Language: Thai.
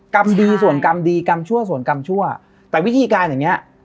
กรรมดีส่วนกรรมดีกรรมชั่วส่วนกรรมชั่วแต่วิธีการอย่างเงี้ย